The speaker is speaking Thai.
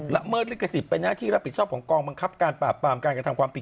ละเมิดลิขสิทธิ์เป็นหน้าที่รับผิดชอบของกองบังคับการปราบปรามการกระทำความผิด